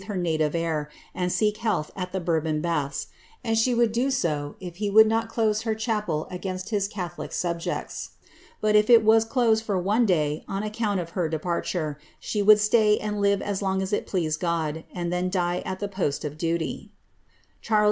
her native air, ana seek health at the Bourbon baths, and she would do sio if he would not close her chapel against his catholic subjects ; but if it was closed for one day on account of her departure, she would stay and live as long as it pleased God, and then die at the post of duly/ Charles II.